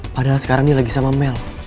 padahal sekarang ini lagi sama mel